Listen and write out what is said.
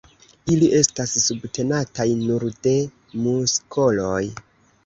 Ili estas subtenataj nur de muskoloj.